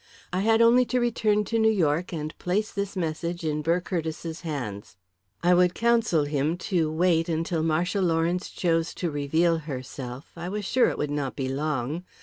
I had only to return to New York and place this message in Burr Curtiss's hands. I would counsel him to wait until Marcia Lawrence chose to reveal herself I was sure it would not be long.